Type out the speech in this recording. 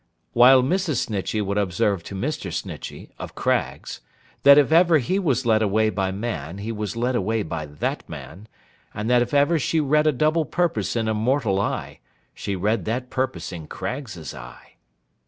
While Mrs. Snitchey would observe to Mr. Snitchey, of Craggs, 'that if ever he was led away by man he was led away by that man, and that if ever she read a double purpose in a mortal eye, she read that purpose in Craggs's eye.